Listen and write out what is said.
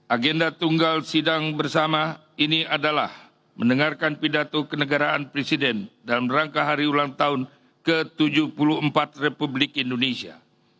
agenda tunggal sidang bersama ini adalah mendengarkan pidato kenegaraan presiden dalam rangka hari ulang tahun ke tujuh puluh empat republik indonesia